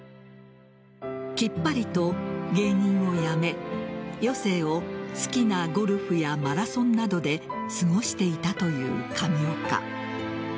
きっぱりと芸人を辞め余生を好きなゴルフやマラソンなどで過ごしていたという上岡。